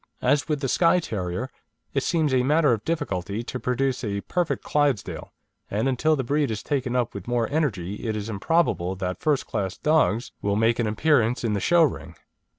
As with the Skye Terrier, it seems a matter of difficulty to produce a perfect Clydesdale, and until the breed is taken up with more energy it is improbable that first class dogs will make an appearance in the show ring.